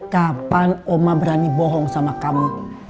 kapan oma berani bohong sama kamu